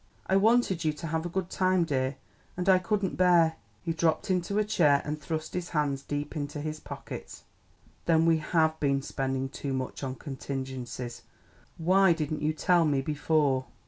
I wanted you to have a good time, dear, and I couldn't bear " He dropped into a chair and thrust his hands deep into his pockets. "Then we have been spending too much on contingencies; why didn't you tell me before?"